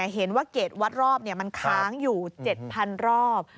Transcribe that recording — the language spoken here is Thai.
เห็นว่าเกรดวัดรอบมันค้างอยู่๗๐๐รอบ